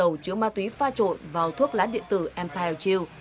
dầu chứa ma túy pha trộn vào thuốc lá điện tử empire chiu